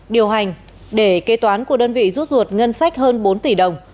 điều hành để kế toán của đơn vị rút ruột ngân sách hơn bốn tỷ đồng